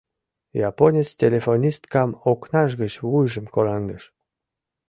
Японец телефонисткам окнаж гыч вуйжым кораҥдыш.